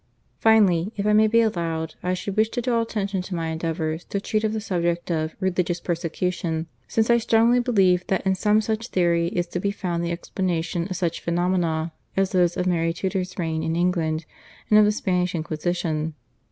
Finally if I may be allowed, I should wish to draw attention to my endeavours to treat of the subject of "religious persecution," since I strongly believe that in some such theory is to be found the explanation of such phenomena as those of Mary Tudor's reign in England, and of the Spanish Inquisition.